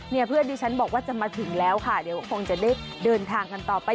เพื่อนที่ฉันบอกว่าจะมาถึงแล้วค่ะเดี๋ยวคงจะได้เดินทางกันต่อไป